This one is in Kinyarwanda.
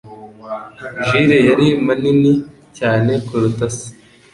Jule yari manini cyane kuruta se.